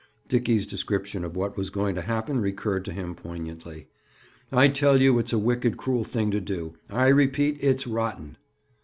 Dickie's description of what was going to happen recurred to him poignantly. "I tell you it's a wicked cruel thing to do. I repeat, it's rotten."